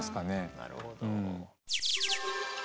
なるほど。